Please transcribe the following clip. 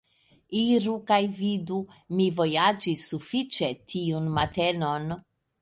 Iru kaj vidu; mi vojaĝis sufiĉe tiun matenon.